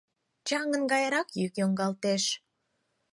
Чаҥын гайрак йӱк йоҥгалтеш.